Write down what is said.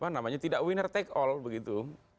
namanya tidak winner take all begitu